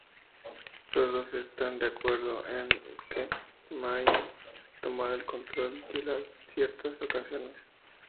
Las dos están de acuerdo en que Mayhem tomará el control en ciertas ocasiones.